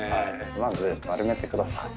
まず丸めてください。